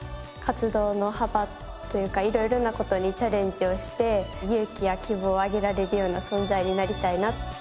活動の幅というかいろいろな事にチャレンジをして勇気や希望をあげられるような存在になりたいな。